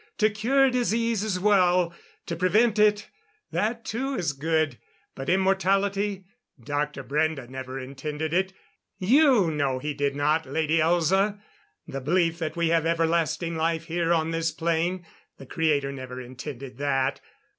To cure disease is well. To prevent it that too is good. But immortality Dr. Brende never intended it, you know he did not, Lady Elza the belief that we have everlasting life here on this plane the Creator never intended that.